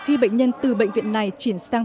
khi bệnh nhân từ bệnh viện này chuyển sang